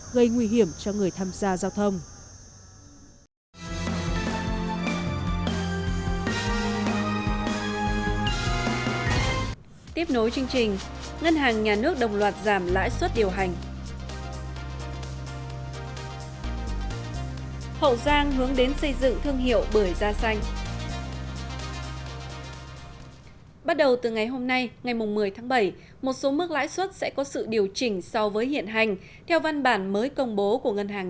gây nguy hiểm cho người thắng